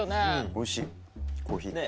おいしいコーヒー。